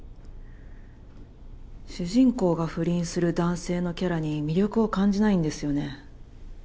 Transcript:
主人公が不倫する男性のキャラに魅力を感じないんですよね。